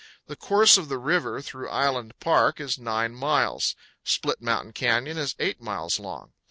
The course of the river through Island Park is 9 miles. Split Mountain Canyon is 8 miles long.